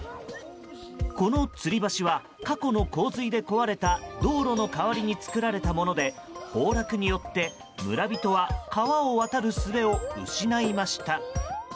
このつり橋は、過去の洪水で壊れた道路の代わりに造られたもので崩落によって村人は川を渡るすべを失いました。